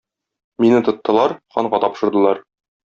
Мине тоттылар, ханга тапшырдылар.